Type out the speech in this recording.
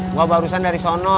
gue barusan dari sana